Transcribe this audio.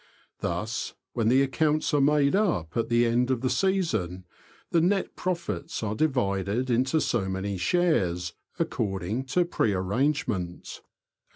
Thus, when the accounts are made up at the end of the season, the nett profits are divided into so many shares, according to pre arrange men t.